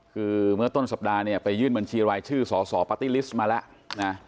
คือเมื่อต้นสัปดาห์เนี่ยไปยื่นบัญชีรายชื่อสสปาร์ตี้ลิสต์มาแล้วนะ